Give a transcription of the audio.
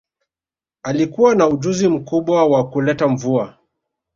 Alikuwa na ujuzi mkubwa wa kuleta mvua